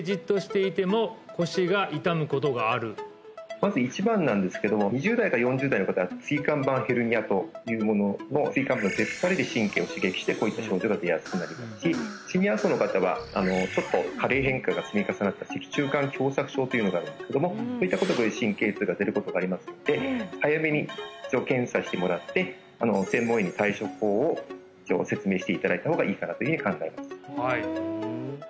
まず１番なんですけども２０代から４０代の方は椎間板ヘルニアというものの椎間板の出っ張りで神経を刺激してこういった症状が出やすくなりますしシニア層の方はちょっと軽い変化が積み重なった脊柱管狭窄症というのがあるんですけどもそういったことで神経痛が出ることがありますので早めに検査してもらって専門医に対処法を説明していただいた方がいいかなというふうに考えます